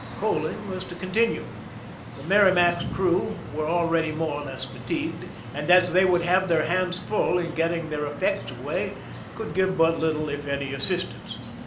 Coaling was to continue; the Merrimac^s crew were already more or less fatigued, and as they would have their hands full in getting their effects away, could give but little, if any, assistance.